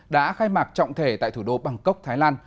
đã khai mạc trọng thể tại thủ đô bangkok thái lan